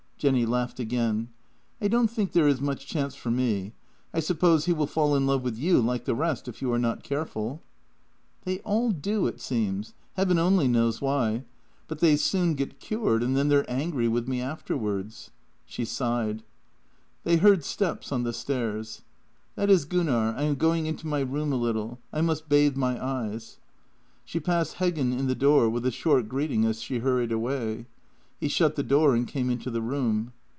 " Jenny laughed again. " I don't think there is much chance for me. I suppose he will fall in love with you, like the rest, if you are not careful." " They all do, it seems — Heaven only knows why. But JENNY 57 they soon get cured, and then they're angry with me after wards." She sighed. They heard steps on the stairs. " That is Gunnar. I am going into my room a little. I must bathe my eyes." She passed Heggen in the door with a short greeting as she hurried away. He shut the door and came into the room.